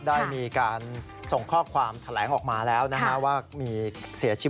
ได้มีการส่งข้อความแถลงออกมาแล้วนะครับ